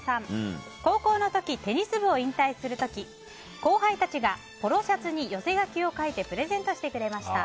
高校の時、テニス部を引退する時後輩たちがポロシャツに寄せ書きを書いてプレゼントしてくれました。